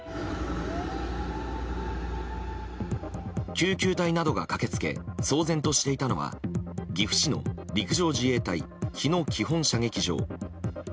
救急隊などが駆け付け騒然としていたのは岐阜市の陸上自衛隊日野基本射撃場。